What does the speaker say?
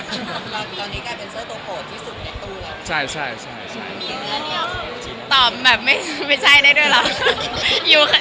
ตอนนี้กับตัวโหดที่สุดในทุ่มเหรอ